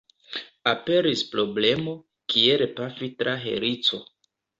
Aperis problemo, kiel pafi tra helico.